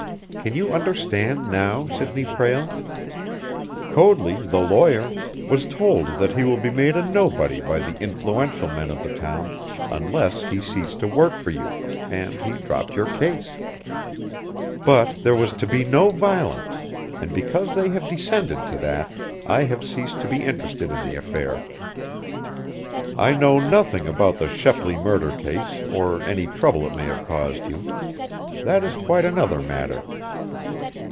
Can you understand now, Sidney Prale? Coadley, the lawyer, was told that he will be made a nobody by the influential men of the town unless he ceased to work for you, and he dropped your case. "But there was to be no violence, and because they have descended to that, I have ceased to be interested in the affair. I know nothing about the Shepley murder case or any trouble it may have caused you. That is quite another matter.